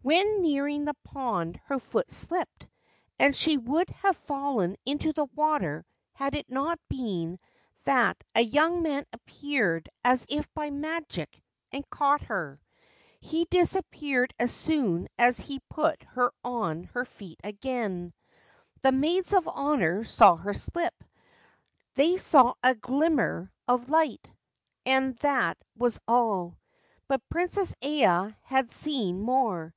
When nearing the pond her foot slipped, and she would have fallen into the water had it not been that a young man appeared as if by magic and caught her. He disappeared as soon as he had put her on her feet again. The maids of honour saw her slip ; they saw a glimmer of light, and that was all ; but Princess Aya had seen more.